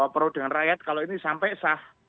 pro dengan rakyat kalau ini sampai sah